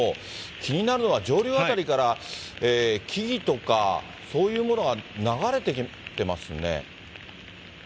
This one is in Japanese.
気になるのは、上流辺りから木々とか、そういうものは流れてきてますね。